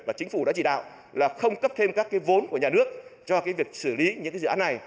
và chính phủ đã chỉ đạo là không cấp thêm các cái vốn của nhà nước cho cái việc xử lý những cái dự án này